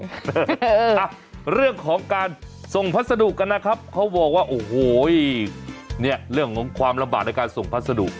อ่ะเรื่องของการส่งพัสดุกันนะครับเขาบอกว่าโอ้โหเนี่ยเรื่องของความลำบากในการส่งพัสดุ